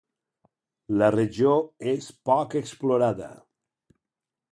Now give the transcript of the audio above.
La regió és poc explorada.